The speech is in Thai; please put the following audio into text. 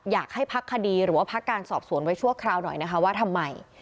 อยากให้พักคดีหรือว่าพักการสอบสวนไว้ชั่วคราวหน่อยนะคะว่าทำไม